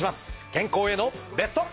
健康へのベスト。